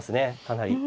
かなり。